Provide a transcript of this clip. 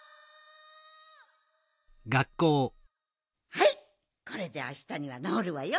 はいこれであしたにはなおるわよ。